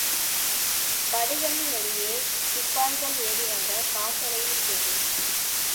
படிகளின் வழியே சிப்பாய்கள் ஏறிவந்த காலோசையும் கேட்டது!